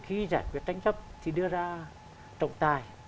khi giải quyết tranh chấp thì đưa ra trọng tài